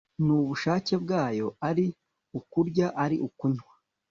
nubushake bwayo Ari ukurya ari ukunywa